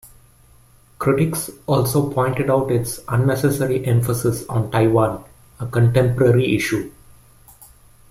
Critics also pointed out its unnecessary emphasis on Taiwan, a contemporary issue.